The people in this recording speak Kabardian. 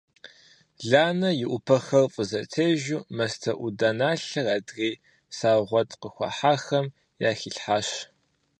Ланэ и Ӏупэхэр фӀызэтежу мастэӀуданалъэр адрей саугъэт къыхуахьахэм яхилъхьащ.